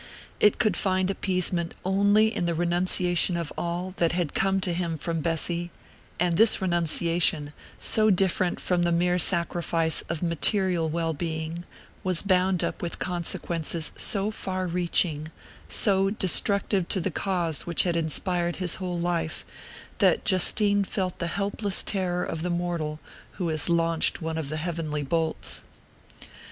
It could find appeasement only in the renunciation of all that had come to him from Bessy; and this renunciation, so different from the mere sacrifice of material well being, was bound up with consequences so far reaching, so destructive to the cause which had inspired his whole life, that Justine felt the helpless terror of the mortal who has launched one of the heavenly bolts.